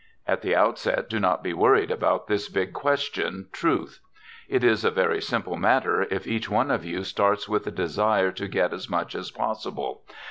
At the outset do not be worried about this big question Truth. It is a very simple matter if each one of you starts with the desire to get as much as possible.